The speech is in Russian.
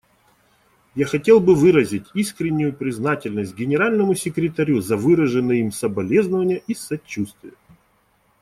Я хотел бы выразить искреннюю признательность Генеральному секретарю за выраженные им соболезнования и сочувствие.